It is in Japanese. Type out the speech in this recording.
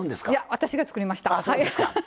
私が作りました。